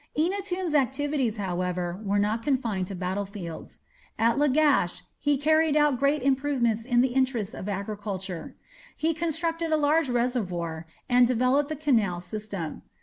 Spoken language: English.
Eannatum's activities, however, were not confined to battlefields. At Lagash he carried out great improvements in the interests of agriculture; he constructed a large reservoir and developed the canal system.